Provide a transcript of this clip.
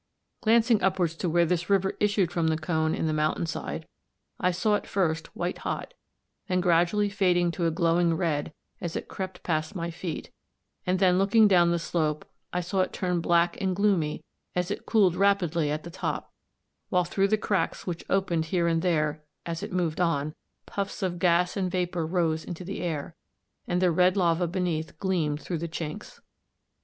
Glancing upwards to where this river issued from the cone in the mountain side, I saw it first white hot, then gradually fading to a glowing red as it crept past my feet; and then looking down the slope I saw it turn black and gloomy as it cooled rapidly at the top, while through the cracks which opened here and there as it moved on, puffs of gas and vapour rose into the air, and the red lava beneath gleamed through the chinks.